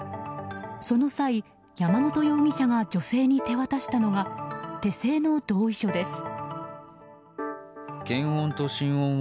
その際、山本容疑者が女性に手渡したのが手製の同意書です。